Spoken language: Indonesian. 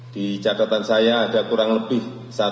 di catatan saya ada kurang lebih